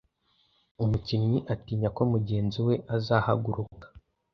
umukinnyi atinya ko mugenzi we azahaguruka